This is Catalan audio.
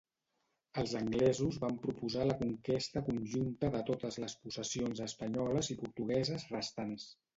Els anglesos van proposar la conquesta conjunta de totes les possessions espanyoles i portugueses restants.